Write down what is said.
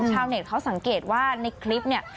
ชาวเน็ตเขาสังเกตว่าในคลิปเนี่ย